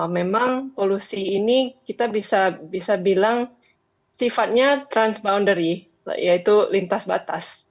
memang polusi ini kita bisa bilang sifatnya transpoundary yaitu lintas batas